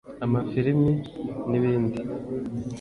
amafilms n'ibindi